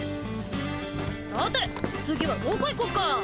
さて次はどこ行こっか？